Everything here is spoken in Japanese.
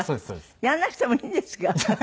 やらなくてもいいんですか。